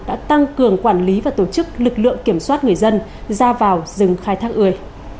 đã tăng cường quản lý và tổ chức lực lượng kiểm soát người dân ra vào rừng khai thác ươi